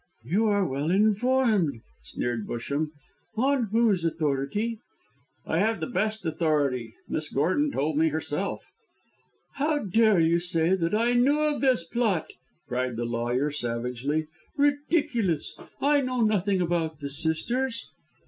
"You are well informed," sneered Busham. "On whose authority?" "I have the best authority. Miss Gordon told me herself." "How dare you say that I knew of this plot!" cried the lawyer, savagely. "Ridiculous! I know nothing about the sisters."